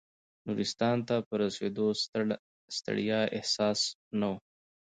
نورستان ته په رسېدو د ستړیا احساس نه و.